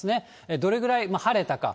どれくらい晴れたか。